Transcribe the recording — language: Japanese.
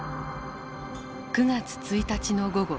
９月１日の午後